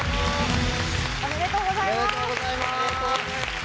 おめでとうございます。